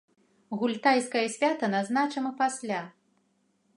Гультайскае свята назначым пасля.